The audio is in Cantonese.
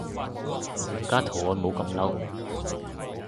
唔加圖案冇咁嬲